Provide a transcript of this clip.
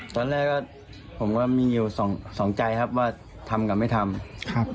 ตอนแรกผมก็มีอยู่สองใจครับว่าทำกันไม่ทำ